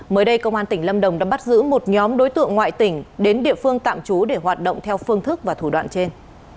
mới đây công an tỉnh lâm đồng đã bắt giữ một nhóm đối tượng ngoại tỉnh đến địa phương tạm trú để hoạt động theo phương thức và thủ đoạn trên